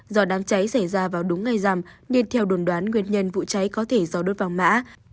do đám cháy xảy ra vào đúng ngày rằm nên theo đồn đoán nguyên nhân vụ cháy có thể do đốt vàng mã